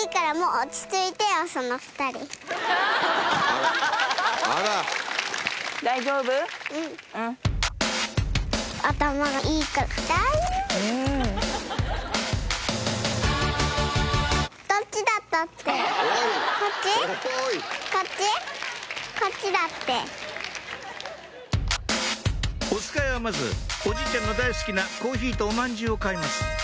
おつかいはまずおじいちゃんの大好きなコーヒーとおまんじゅうを買います